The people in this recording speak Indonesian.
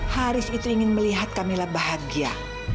haris itu ingin melihat camilla bahagia